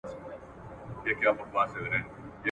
زه وېرېدم له اشارو د ګاونډیانو څخه ..